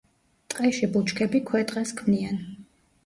ტყეში ბუჩქები ქვეტყეს ქმნიან.